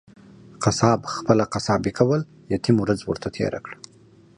قصاب خپله قصابي کول ، يتيم ورځ ورته تيره کړه.